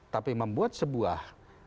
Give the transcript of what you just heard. tapi membuat sebuah